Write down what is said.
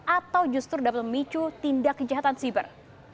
atau justru dapat memicu tindak kejahatan siber